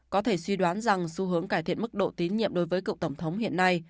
có thể suy đoán rằng xu hướng cải thiện mức độ tín nhiệm đối với cựu tổng thống hiện nay